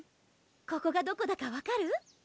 ここがどこだか分かる？